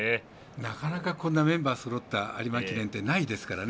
なかなかこんなメンバーそろった有馬記念ってないですからね。